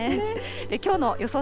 きょうの予想